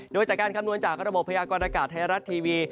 โดยจากการคำนวณจากระบบพยากรณากาศไทยรัฐทีวี